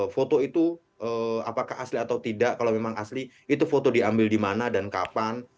foto itu apakah asli atau tidak kalau memang asli itu foto diambil di mana dan kapan